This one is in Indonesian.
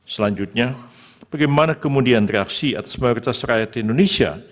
selanjutnya bagaimana kemudian reaksi atau mayoritas rakyat indonesia